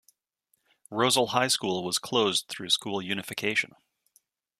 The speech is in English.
Rozel High School was closed through school unification.